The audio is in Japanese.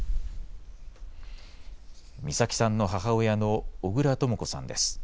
美咲さんの母親の小倉とも子さんです。